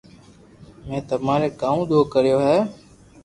۾ تمارو ڪاو دوھ ڪريو ھي